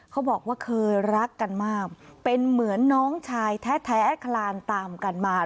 เขาบอกว่าเคยรักกันมากเป็นเหมือนน้องชายแท้คลานตามกันมา